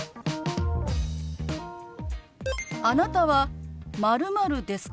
あなたは○○ですか？